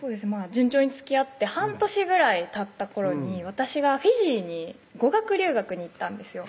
順調につきあって半年ぐらいたった頃に私がフィジーに語学留学に行ったんですよ